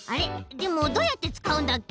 でもどうやってつかうんだっけ？